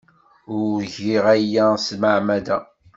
Ur giɣ aya s tmeɛmada.